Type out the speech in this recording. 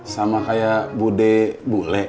sama kayak bu d bu l